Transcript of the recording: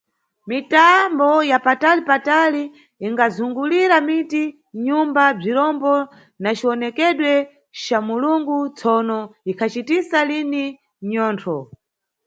Mitambo ya patali-patali ikhazungulira miti, nyumba bzirombo na ciwonekedwe ca bhulumu, tsono ikhacitisa lini mnyontho.